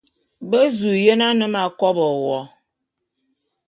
Be zu yen ane m'akabe wo.